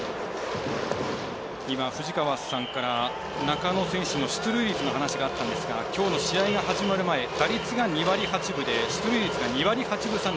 藤川さんから中野選手の出塁率の話があったんですがきょうの試合が始まる前打率が２割８分で出塁率が２割８分３厘。